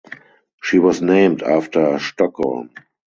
She was named after Stockholm.